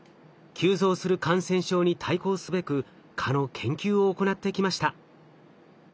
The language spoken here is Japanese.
急増する感染症に対抗すべく蚊の研究を行ってきました。